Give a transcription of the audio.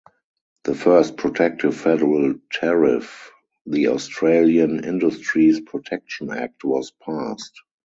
The first protective Federal tariff, the Australian Industries Protection Act was passed.